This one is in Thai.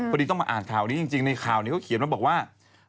ต้องมาอ่านข่าวนี้จริงในข่าวนี้เขาเขียนมาบอกว่า